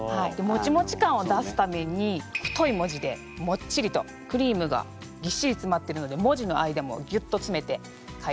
もちもち感を出すために太い文字でもっちりとクリームがぎっしりつまってるので文字の間もギュッとつめて書いてみました。